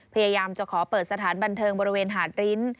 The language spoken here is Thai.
พยายามจะขอเปิดสถานบันเทิงบริเวณหาดริ้น